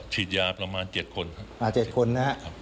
ฉีดยาประมาณ๗คนครับ